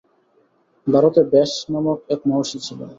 ভারতে ব্যাস-নামক এক মহর্ষি ছিলেন।